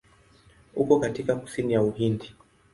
Uko katika kusini ya Uhindi.